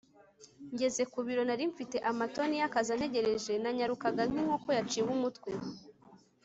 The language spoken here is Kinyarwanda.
Ngeze ku biro nari mfite amatoni yakazi antegereje Nanyarukaga nkinkoko yaciwe umutwe